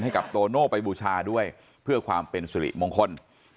โตโน่ไปบูชาด้วยเพื่อความเป็นสุริมงคล